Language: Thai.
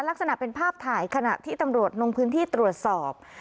ลักษณะเป็นภาพถ่ายขณะที่ตำรวจลงพื้นที่ตรวจสอบ